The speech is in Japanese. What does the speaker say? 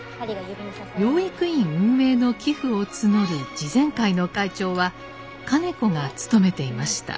養育院運営の寄付を募る慈善会の会長は兼子が務めていました。